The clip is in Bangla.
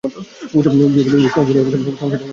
উক্ত অঞ্চলের সংস্কৃতি বঙ্গ এবং উৎকল সংস্কৃতির মিশ্রণ।